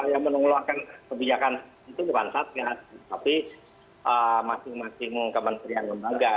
yang mengeluarkan kebijakan itu bukan satgas tapi masing masing kementerian lembaga